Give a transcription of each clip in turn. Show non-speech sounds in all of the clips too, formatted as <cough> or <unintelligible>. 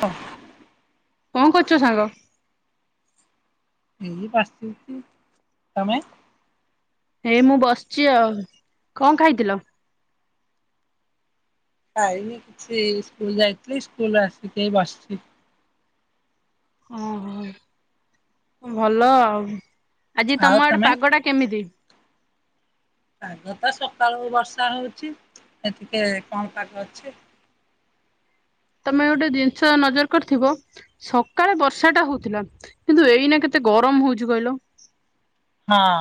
ହଫ କଣ କରୁଛ ସାଙ୍ଗ? ଏଇ ପାଶ ତମେ ଏ ମୁଁ ବସିଛି ଆଉ କଣ ଖାଇଥିଲ? ପାଇାଇନି କିଛି ସ୍କୁଲ ଯାଇଥିଲେ ସ୍କୁଲ ଆସି କେ ବସଛି। ଓୋ ଭଲ ଆଉ। ଆଜି ଆଉ ତମ ଆଡେ ତମେ ପାଗ ଟା କେମିତି? ପାଗ ତ ସକାଳୁ ବର୍ଷା ହଉଛି ଏ ଟିକେ କଣ ପାଗ ଅଛି। ତମେ ଗୋଟେ ଜିନିଷ ନଜର କରିଥିବ ସକାଳେ ବର୍ଷା ଟା ହଉଥିଲା କିନ୍ତୁ ଏଇନା କେତେ ଗରମ ହଉଛି କହିଲ। ହଁ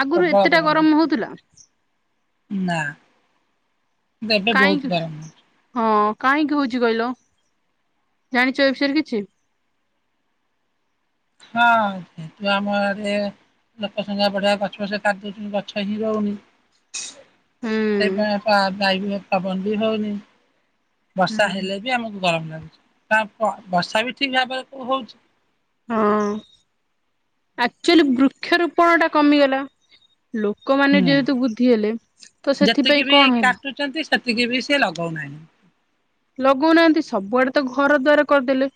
ଆଗରୁ ଏତେଟା ଠର ନା ଗରମ ହଉଥିଲା କିନ୍ତୁ ଏବେ ବହୁତ କହିଁ ଗରମ ହଉଛି ହଁ। କାହିଁକି ହଉଛି କହିଲ ଜାଣିଛ ଏ ବିଷୟରେ କିଛି ହଁ ଯେହେତୁ ଆମ ଆଡ ଲୋକ ସଂଙ୍ଗେ ବଢଆ ଗଛ ଫଛ କାଟିି ଦଉଛନ୍ତିଛନ୍ତି ଗଛ ହିଁ ରହୁନି ହୁଁ। ସେପାଇ ବାୟ ପବନ ବି ହଉନି। ବର୍ଷା ହୁଁ। ହେଲେ ବି ଆମକୁ ଗରମ ଲାଗୁଛି। ତା ବର୍ଷା ବି ଠିକ ଭାବରେ ହଉଛି। ହଁ ଆକ୍ଚୁଆଲି ବୃକ୍ଷରୋପଣ ଟା କମିଗଲା। ଲୋକମାନେ ହୁଁ ଯେହେତୁ ବୁଦ୍ଧି ହେଲେ ତ ସେଥିପାଇଁ କଣ ହେଲା। ଟିକେ ବି ସେ ଲଗାଉନାହିଁ ଲଗଉନାହାନ୍ତି ସବୁଆଡେ ତ ଘର ଦ୍ଵାର କରିଦେଲେ।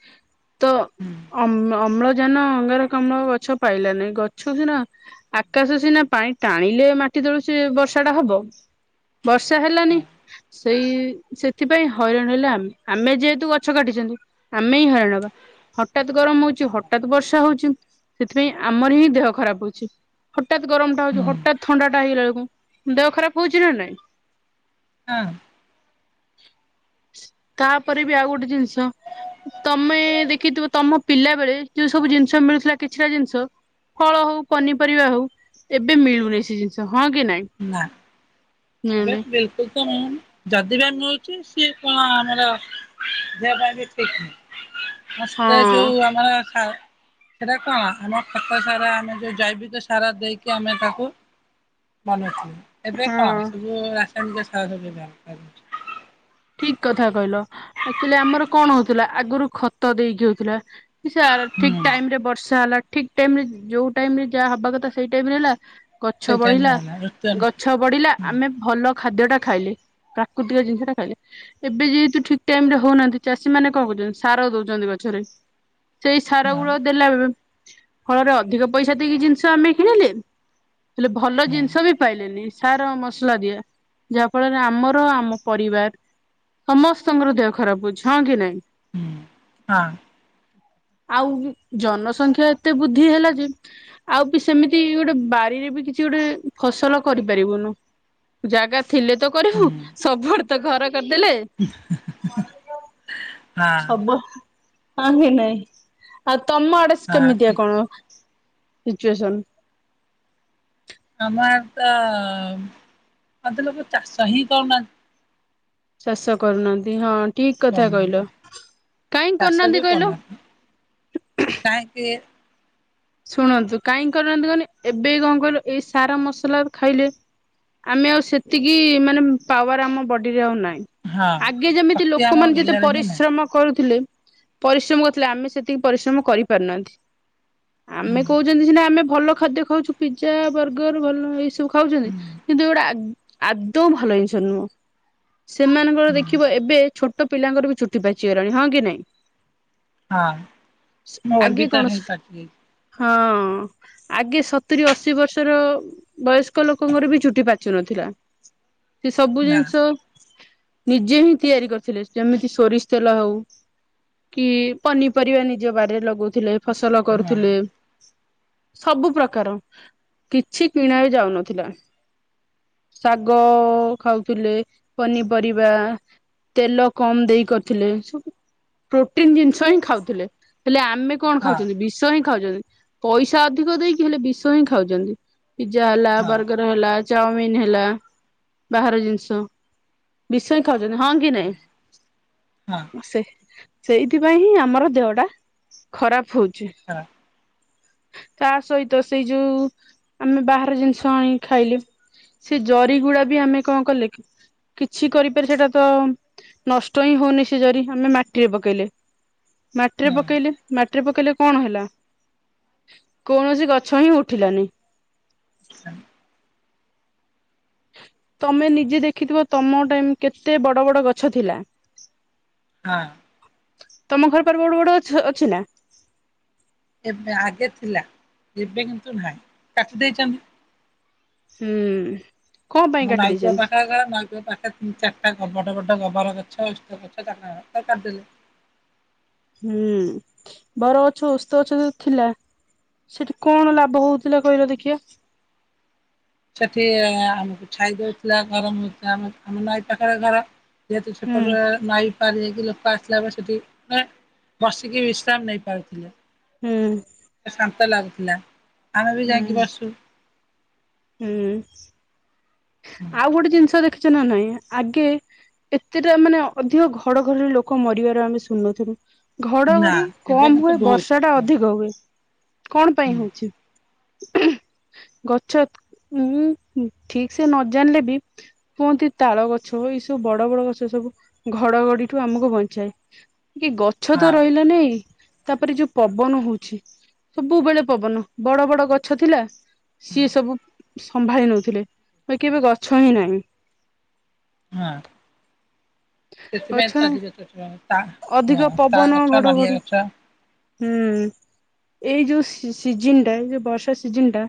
ହୁଁ ତମର ଜାନ ଅଙ୍ଗାର କମ୍ଳ ଗଛ ପାଇଲାନହି ଗଛ ସିନା ଆକାଶ ସିନା ପାଣି ଟାଣିଲେ ମାଟି ତଳୁ ସ ବର୍ଷା ଟା ହବ। ବର୍ଷା ହେଲାନି। ସେଇ ସେଥିପାଇଁ ହଇରାଣ ହେଲେ ଆମେ ଆମେ ଯେହେତୁ ଗଛ କାଟିଛନ୍ତି ଆମେ ହିଁ ହଇରାଣବା ହଠାତ୍ ଗରମ ହଉଛୁ ହଠାାତ ବର୍ଷା ହଉଛି ସେଥିପାଇଁ ଆମର ହିଁ ଦେହ ଖରାପ ହଉଛି। ହଠତ୍ ଗରମ ଟ ହଉଛି ହଠା ଥଣ୍ଡା ହେଇଗଲା ବେଳକୁ ଦେହ ଖରାପ ହଉଛି ନା ନାଇଁ। ହଁ। <unintelligible> ତାପରେ ବି ଆଉ ଗୋଟେ ଜିନିଷ ତମେ ଦେଖିଥିବ ତମ ପିଲା ବେଳେ ଯୋଉ ସବୁ ଜିନିଷ ମିଳୁଥିଲା କିଛିଟା ଜିନିଷ ଫଳ ହଉ ପନିପରିବା ହଉ ଏବେ ମିଳୁନି ସେ ଜିନିଷ ହଁ କି ନାଇଁ ନା ଏବେ ମିଳୁନି ବିଲକୁଲ ମିଳୁନି ଯଦି ବା ମିଳୁ ସିଏ କଣ ଆମର ଦେହ ପାଇଁ ବି ଠିକ ନୁହେଁ। ହଁ। ଆସ୍ତେ ଯୋଉ ଆମର ଖା ସେଟା କଣ ଆମ ଖତା ସାରା ଆମେ ଯୋଉ ଜୈବିକ ସାରା ଦେଇକି ଆମେ ତାକୁ ମନ ଅଛି। ଏବେ ହଁ। କଣ ସବୁ ରା ଏମ କେ ସା ଠିକ କଥା କହିଲ ଆକ୍ଚୁଆଲି ଆମର କଣ ହଉଥିଲା ଆଗରୁ ଖତ ଦେଇକି ହଉଥିଲା ଠିକ ହୁଁ ଟାଇମ ରେ ବର୍ଷା ହେଲା ଠିକ ଟାଇମ ରେ ଯୋଉ ଟାଇମ ରେ ଯାହା ହବା କଥା ସେଇ ଟାଇମ ରେ ହେଲା ସେଇ ଗଛ ଟାଇମରେ ବଢିଲା ହେଲା ଋତୁ ଅନୁ ଗଛ ବଢିଲା ହଁ ଆମେ ଭଲ ଖାଦ୍ୟ ଟା ଖାଇଲି ପ୍ରାକୃତିକ ଜିନିଷ ଟା ଖାଇଲେ ଏବେ ଯେହେତୁ ଠିକ ଟାଇମ ରେ ହଉନାହାନ୍ତି ଚାଷୀ ମାନେ କଣ କରହୁଛନ୍ତି ସାର ଦଉଛନ୍ତି ଗଛରେ ସେଇ ସାର ହଁ ଗୁଡ ଦେଲା ଫଳରେ ଅଧିକ ପଇସା ଦେଇକି ଜିନିଷ ଆମେ କିଣିଲେ ହେଲେ ଭଲ ହଁ ଜିନିଷ ବି ପାଇଲେନି ସାର ମସଲା ଦିଆ ଯାହା ଫଳରେ ଆମର ଆମ ପରିବାର ସମସ୍ତଙ୍କର ଦେହ ଖରାପ ହଉଛି ହଁ କି ନାଇଁ ହୁଁ ହଁ ଆଉ ଜନସଂଖ୍ୟା ଏତେ ବୃଦ୍ଧି ହେଲା ଯେ ଆଉ ବି ସେମିତି ଗୋଟେ ବାରିରେ ବି କିଛି ଗୋଟେ ଫସଲ କରିପାରିବୁନୁ ଜାଗା ଥିଲେ ତ କରିବୁ ସବୁର୍ ତ ଘର କରିଦେଲେ ହଁ ସବୁ ହ ନହିଁ ଆ ତମ ଆଡସ ହଁ ଠିକ କେମିତିଆ କଣ ସିଚୁଏସନ୍ ଆମର ତ ଆଧ ଲ ଚାଷ ଚା ହ କର ନା ସସ କରନାନ୍ତି ହଁ ଠିକ କଥା କରୁନାହାନ୍ତି। କହିଲ କାହିଁକ ଚାଷ ବି କରୁନାହାନ୍ତି କହିଲ କାହିଁକି ଶୁଣନ୍ତୁ କାହିଁ କରନାହାନ୍ତି କହନି ଏବେ କଣ କହିଲୁ ଏଇ ସାର ମସଲା ଖାଇଲେ ଆମେ ଆଉ ସେତିକି ମାନେ ପାୱାର ଆମ ବଡିରେ ଆଉ ନାହିଁ ହଁ ଆଗେ ଯେମିତି ଶକ୍ତି ଆମ ଲୋକମାନେ ଯେତେ ଦେହରେ ହିଁ ନାହିଁ। ପରିଶ୍ରମ କରୁଥିଲେ ପରିଶ୍ରମ କରିଥିଲେ ଆମେ ସେତିକି ପରିଶ୍ରମ କରିପାରୁନାହାନ୍ତି ହୁଁ ଆମେ କହୁଛନ୍ତି ସିନା ଆମେ ଭଲ ଖାଦ୍ୟ ଖାଉଛୁ ପିଜା ବର୍ଗର ଭଲ ଏଇ ସବୁ ଖାଉଛନ୍ତି ହୁଁ କିନ୍ତୁ ଏୋଟା ଆଦୌ ଭଲ ଜିନିଷ ନୁହଁ ସେମାନଙ୍କର ଦେଖିବ ଏବେ ଛୋଟ ପିଲାଙ୍କର ବି ଚୁଟି ପାଚିଗଲାଣି ହଁ କି ନାଇଁ ହଁ ମଲ ଆଗେ ବି କଣ ତ ହେ ପାକ ହଁ ଆଗେ ସତୁରିୀ ଅଶୀ ବର୍ଷର ବୟସ୍କ ଲୋକଙ୍କର ବି ଚୁଟି ପାଚୁନଥିଲା ସେ ସବୁ ନା ଜିନିଷ ନିଜେ ହିଁ ତିଆରି କରିଥିଲେ ଯେମିତି ସୋରିଷ ତେଲ ହଉ କି ପନିପରିବା ନିଜ ବାରରେ ଲଗଉଥିଲେ ଫସଲ ହଁ। ଥିଲେ। ସବୁ ପ୍ରକାର କିଛି କିଣା ବି ଯାଉନଥିଲା ଶାଗ ଖାଉଥିଲେ ପନିପରିବା ତେଲ କମ ଦେଇ କରିଥିଲେ ସବୁ ପ୍ରୋଟିନ ଜିନିଷ ହିଁ ଖାଉଥିଲେ ହେଲେ ଆ ଆମେ କଣ ହଁ ଖାଉଛନ୍ତି ବି ଖାଉଛନ୍ତି ପଇସା ଅଧିକ ଦେଇକି ହେଲେ ବିଷ ହିଁ ଖାଉଛନ୍ତି। ପିଜା ହେଲା ହଁ ବର୍ଗର ହେଲା ଚାଓମିନ ହେଲା ବାହାର ଜିନିଷ ବିଷ ଖ ହଁ କି ନାଇଁ ହଁ <inaudible> ସେ ସେଇଥିପାଇ ହିଁ ଆମର ଦେହ ଟା ଖରାପ ହୋଉଛି। ହଁ। ତା ସହିତ ସେଇ ଯୋଉ ଆମେ ବାହାର ଜିନିଷ ଆଣି ଖାଇଲେ ସେ ଜରି ଗୁଡା ବି ଆମେ କଣ କଲେ କିଛି କରିପାର ସେଇଟା ତ ନଷ୍ଟ ହିଁ ହଉନି ସେ ଜରି ଆମେ ମାଟିରେ ପକେଇଲେ ମାଟିରେ ହଁ ପକେଇଲେ ମା ମାଟିରେ ପକେଇଲେ କଣ ହେଲା କୌଣସି ଗଛ ହିଁ ଉଠିଲାନି। <inaudible> ତମେ ନିଜେ ଦେଖିଥିବ ତମ ଟାଇମ କେତେ ବଡ଼ ବଡ଼ ଗଛ ଥିଲା ହଁ। ତମ ଘର ପାଖରେ ବଡ ବଡ ଅ ଅଛି ନା? ଏବେ ଆଗେ ଥିଲା ଏବେ କିନ୍ତୁ ନାହିଁ କାଟି ଦେଇଛନ୍ତି। ହୁଁ। କଣ ପାଇଁ କାଟି ଦେଇଛନ୍ତି <unintelligible> <unintelligible> ହୁଁ ବର ଗଛ ଓସ୍ତ ଗଛ ଥିଲା ସେଠି କଣ ଲାଭ ହଉଥିଲା କହିଲ ଦେଖିବା। ସେଠି ଆମକୁ ଛାଇଦଉଥିଲା ଗରମ ହଉ ଥିଲା ଆମ ନଈ ପାଖରେ ଘର ଯେହେତୁ ହୁଁ ସେପଟ ନାଇଁ ପାର ଲୋକ ଆସିଲା ପରେ ସେଠି ବସିକି ବିଶ୍ରାମ ନେଇ ପାରୁଥିଲେ। ହୁଁ <inaudible> ଶାନ୍ତ ଲାଗ ଥିଲା। ଆମେ ବି ହୁଁ ଯାଇକି ବସୁ। ହୁଁ। ଆଉ ଗୋଟେ ଜିନିଷ ଦେଖ ସୂଚନା ନାହିଁ ଆଗେ ଏତେଟା ମାନେ ଅଧିକ ଘଡ଼ ଘଡିରେ ଲୋକ ମରିବାର ଆମେ ଶୁଣିଥିଲୁ। ନା ଘଡଘଡି ଏବେ କମ କିନ୍ତୁ ହୁଏ ବହୁତ ବର୍ଷା ଟା ହୁଁ ଅଧିକ ହୁଏ। କଣ ପାଇଁ ହୋଉଛି? ଗଛ ଉଁ <inaudible> ଠିକି ସେ ନ ଜାଣିଲେ ବି କୁହନ୍ତି ତାଳ ଗଛ ଏଇ ସବୁ ବଡ ବଡ ଗଛ ସବୁ ଘଡଘଡିଠୁ ଆମକୁ ବଞ୍ଚାଏ। କି ଗଛ ହଁ ତ ରହିଲ ନାଇଁ ତାପରେ ଯୋଉ ପବନ ହଉଛି ସବୁବେଳେ ପବନ ବଡ ବଡ ଗଛ ଥିଲା ସିଏ ସବୁ ସମ୍ଭାଳି ନଉଥିଲେ। କେବେ ଗଛ ହିଁ ନାହିଁ। ହଁ ଗଛ ନାହିଁ ସେଥିପାଇଁଅଧିକ ତା ଅଧିକ ହଁ ତା ପବନ ଗଛ ନଡ଼ିଆ ଘଡଘଡି ଗଛ। ହୁଁ ଏଇ ଯୋଉ ସିଜିନ ଟା ଏଇ ଯୋଉ ବର୍ଷା ସିଜନ ଟା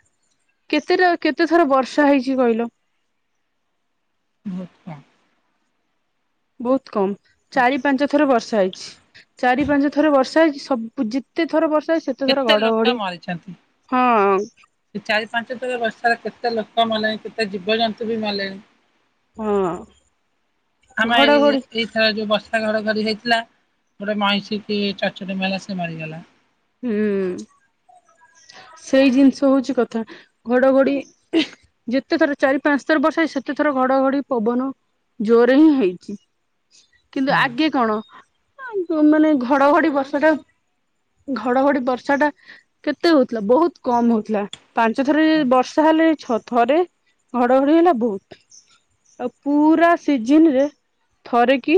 କେତେଟା କେତେ ଥର ବର୍ଷା ହେଇଛି କହିଲ। <inaudible> ବହୁତ କମ ଚାରି ପାଞ୍ଚ ଥର ବର୍ଷା ହେଇଛି ଚାରି ପାଞ୍ଚ ଥର ବର୍ଷା ହେଇଛି ସବୁ ଯେତେ ଥର ବର୍ଷା ହେଇଛି ସେତେ ଥର କେତେ ଲୋକ ଘଡଘଡି ମରିଛନ୍ତି, ହଁ ସେ ଚାରି ପାଞ୍ଚଥର ବସି କେତେ ଲୋକ ମଲେଣି, କେତେ ଜୀବ ଜନ୍ତୁ ବି ମଲେଣି। ହଁ, ଘଡଘଡି ଘର ଘରି ହେଇଥିଲା। ଗୋଟେ ମଇଁଷି, ସେ ଚଡଚଡି ମାଇଲା, ସେ ମରିଗଲା। ହୁଁ, ସେଇ ଜିନିଷ ହଉଛି କଥା। ଘଡଘଡି ଯେତେଥର ଚାରି ପାଞ୍ଚ ଥର ବର୍ଷା ହେଇଚି, ସେତେଥର ଘଡଘଡି, ପବନ ଯୋରେ ହିଁ ହେଇଛି। କିନ୍ତୁ ହଁ ଆଗେ କଣ ମାନେ, ଘଡଘଡି ବର୍ଷାଟା ଆ ଘଡଘଡି ବର୍ଷା ଟା କେତେ ହଉଥିଲା, ବହୁତ କମ ହଉଥିଲା। ପାଞ୍ଚ ଥର ବର୍ଷା ହେଲେ ଛ ଥରେ ଘଡଘଡି ହେଲା ବହୁତ। ଆଉ ପୁରା ସିଜନ ରେ ଥରେ କି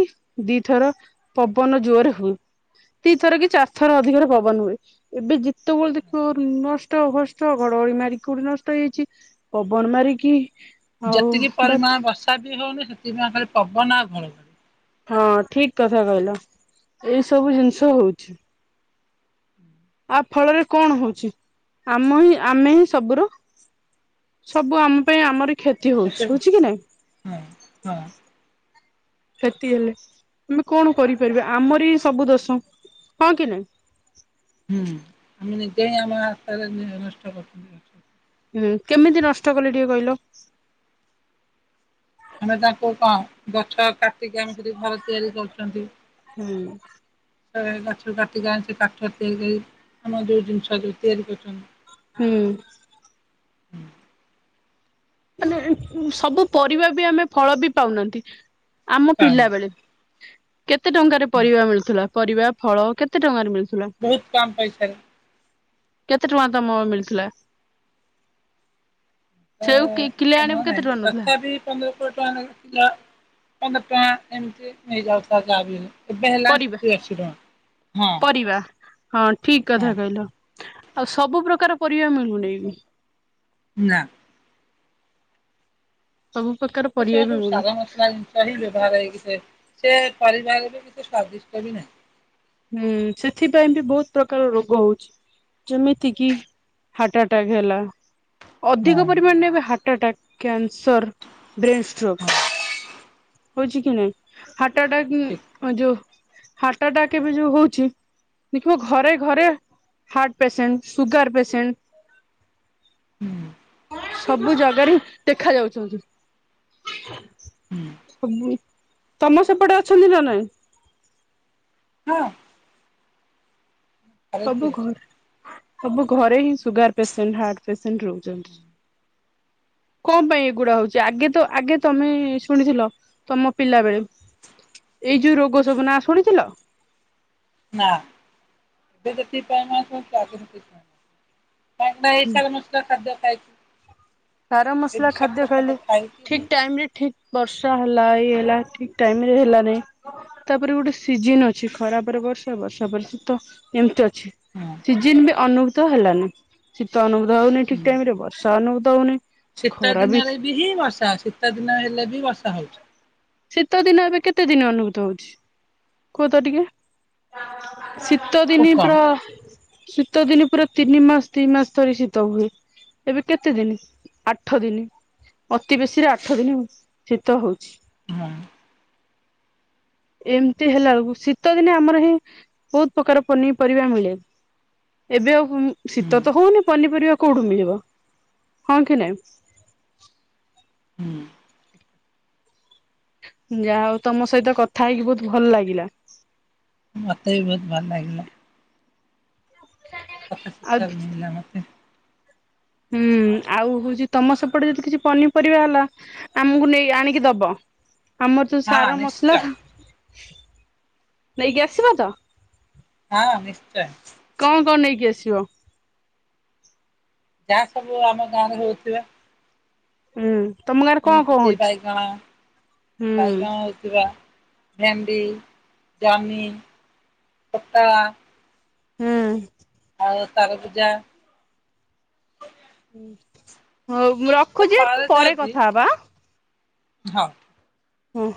ଦିଥର ପବନ ଜୋରରେ ହୁଏ, ଦି ଥର କି ଚାରି ଥର ଅଧିକ ପବନ ହୁଏ। ଏବେ ଯେତେବେଳେ ଦେଖ ନଷ୍ଟ ହଷ୍ଟ, ଘଡଘଡି ମାରିକି କଉଠି ନଷ୍ଟ ହେଇଯାଇଛି, ପବନ ମାରିକି ଆଉ ଯେତିକି ବାତ୍ ପରିମାଣ ବର୍ଷା ବି ହଉନି, ସେ ଏଇନୁକା ଖାଲି ପବନ, ଘଡ ଘଡି ହଁ, ଠିକ କଥା କହିଲ। ଏଇ ସବୁ ଜିନିଷ ହଉଛି ଆ ଫଳରେ କଣ ହଉଛି? ଆମ ହିଁ, ଆମେ ହିଁ ସବୁର ସବୁ ଆମ ପାଇଁ ଆମରି କ୍ଷତି ସେ ହଉଛି, ହଉଚି କି ନାଇଁ? ହଁ ହଁ କ୍ଷତି ହେଲେ ଆମେ କଣ କରିପାରିବା, ଆମରି ସବୁ ଦୋଷ। ହଁ କି ନାଇଁ? ହୁଁ ଆମେ ନିଜେ ହିଂ, ଆମ <unintelligible> ନଷ୍ଟ କରୁ। ହୁଁ, କେମିତି ନଷ୍ଟ କଲେ ଟିକେ କହିଲ? ଆମେ ତାଙ୍କୁ କଣ ଗଛ କାଟିକି ଆମେ ଯଦି ଘର ତିଆରି କରୁଛନ୍ତି ହୁଁ। ଗଛକୁ କାଟିକି ଆଣିଚି କାଠ ତିଆରି କରି ଆମର ଯାଉ ଜିନିଷ ଯାଉ ତିଆରି କରିଛନ୍ତି। ହଁ। ହୁଁ। ମାନେ ସବୁ ପରିବା ବି ଆମେ ଫଳ ବି ପାଉନାହାନ୍ତି। ଆମ ପାଉନା ପିଲାବେଳେ କେତେ ଟଙ୍କାରେ ପରିବା ମିଳୁଥିଲା? ପରିବା, ଫଳ କେତେ ଟଙ୍କାରେ ମିଳୁଛି? ବହୁତ କମ୍ ପଇସାରେ। କେତେ ଟଙ୍କା ତମ ମିଳିଥିଲା? ତ ସେଉ କିଲେ ଆଣିବୁ ନାହିଁ, କେତେ ଟଙ୍କା ନଉଥିଲା ତଥା ବି ପନ୍ଦର କୋଡିଏ ଟଙ୍କା ଲାଗିଥିଲା, ପନ୍ଦର ଟଙ୍କା ଏମତି ନେଇଯାଉଥିବ, ଯାହାବି ହେଲେ ଏବେ ହେଲାଣି, ପରିବା ସତୁରୀ ଅଶୀ ଟଙ୍କା, ହଁ। ପରିବା ହଁ, ଠିକ୍ କଥା ହଁ କହିଲ। ଆଉ, ସବୁ ପ୍ରକାର ପରିବା ମିଳୁନି। ନା। ସବୁ ପ୍ରକାର ସେ ପରିବା ବି ସବୁ, ମିଳୁନି। ସାଧା ମସଲା ଜିନିଷ ହିଁ ବ୍ୟବହାର ହେଇକି, ସେ ସେ ପରିବାର ବି କିଛି ସ୍ୱାଦିଷ୍ଟ ବି ନାହିଁ। ହୁଁ ସେଥିପାଇଁ ବି ବହୁତ ପ୍ରକାର ରୋଗ ହଉଛି। ଯେମିତିକି ହାଟାଟାକ ହେଲା। ହଁ ଅଧିକ ପରିମାଣରେ ଏବେ heart attack cancer brain stroke. ହଁ ହଉଛି କି ନାଇଁ। ହାର୍ଟ ଠିକ ଆଟାକ୍ ଯଉ ହାଟଟାକ୍। କେବେ ଯୋଉ ହଉଛି ଦେଖିବ ଘରେ ଘରେ ହାର୍ଟ ପେସେଣ୍ଟ ସୁଗାର ପେସେଣ୍ଟ। ହୁଁ ସବୁ ଜାଗାରେ ଦେଖା ଯାଉଛନ୍ତି। ହୁଁ ସବୁ ତମ ସେପଟେ ଅଛନ୍ତି ନା ନାଇଁ? ହଁ। ଘରେ କିଏ ସବୁ ଅଛି? ଘରେ। ସବୁ ଘରେ ହିଁ ସୁଗାର ପେସେଣ୍ଟ ହାର୍ଟ ପେସେଣ୍ଟ ରହୁଛନ୍ତି, କଣ ପାଇଁ ଏଗୁଡା ହଉଛି ଆଗେ ତ ଆଗେ ତମେ ଶୁଣିଥିଲ ତମ ପିଲା ବେଳେ ଏଇ ଯୋଉ ରୋଗ ସବୁ ନା ଶୁଣିଥିଲ। ନା ଏବେ <unintelligible> <unintelligible> ମସଲା ଖାଦ୍ୟ। ଆଜ୍- ବାର ମସଲା ଖାଦ୍ୟ ଖାଇଲେ ହିଁ ଠିକ ଟାଇମ ରେ ଠିକ ବର୍ଷା ହେ ପ୍ଲାଏ ହେଲା ଠିକ ଟାଇମରେ ହେଲା ନାଇ ତାପରେ ଗୋଟେ ସିଜନ ଅଛି ଖରାପରେ ବର୍ଷା ବର୍ଷା ପରେ ଶୀତ ଏମତି ଅଛି ହଁ ସିଜନ ଭି ଅନୁଭତ ହେଲାନି ଶୀତ ଅନୁ ମେଘ ହଉନି ଠିକ ହୁଁ। ଟାଇମ ରେ ବର୍ଷା ଅନୁ ତ ହଉନି। ଶୀତ ଦିନରେ ବି ହିଁ ବର୍ଷା ଶୀତ ଦିନ ହେଲେ ବି ବର୍ଷା ହଉଛି। ଶୀତ ଦିନ ଏବେ କେତେ ଦିନ ଅନୁଭୂତ ହଉଛି? କୁହ ତ ଟିକେ। ଶୀତ ଖୁବ ଦିନି କମ ପ୍ର ଶୀତ ଦିନି ପୁରା ତିନି ମାସ ଦି ମାସ ଧରି ଶୀତ ହୁଏ ଏବେ କେତେ ଦିନ ଆଠ ଦିନି ଅତି ବେଶୀରେ ଆଠ ଦିନି ଶୀତ ହଉଛି। ହୁଁ। ଏମ ତି ହେଲା ବେଳକୁ ଶୀତ ଦିନେ ଆମର ହିଁ ବହୁତ ପ୍ରକାର ପନିପରିବା ମିଳେ ଏବେ ଆଉ ହୁଁ। ଶୀତ ତ ହଉନି ପନିପରିବା। କୋଉଠୁ ମିଳିବ ହଁ କି ନାଇଁ। ହୁଁ। ଯାହାହଉ ତମ ସହିତ କଥା ହେଇକି ବହୁତ ଭଲ ଲାଗିଲା। ମୋତେ ବି ବହୁତ ଭଲ ଲାଗିଲା। କେତେ କଥା ଆଉ ଶିଖିଆକୁ ମିଳିିଲା ମତେ। ହୁଁ ଆଉ ହଉଛି ତମ ସେପଟେ ଯଦି କିଛି ପନିପରିବା ହେଲା ଆମକୁ ନେଇ ଆଣିକି ଦବ। ଆମର ଯୋଉ ହଁ ସାର ମସଲା। ନିଶ୍ଚୟ ନେଇକି ଆସିବ ତ। ହଁ ନିଶ୍ଚୟ। ବ। ଯାହା ସବୁ ଆମ ଗାଁ ରେ ହଉଥିବା। ହୁଁ। ତମ ଗାଁରେ କଣ ଏମିତି କଣ କି ହଉଛି ବାଇଗଣ ହୁଁ ବାଇଗଣ ହଉଥିବା। ଭେଣ୍ଡି ଜହ୍ନି ପତାଳା। ହୁଁ। ଆଉ ତାରଗୁଜା। ହୁଁ। ହଉ ମୁଁ ରଖୁଛି ପରେ କଥା ହବା। ହଉ। ହୁଁ।